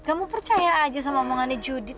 kamu percaya aja sama omongannya judi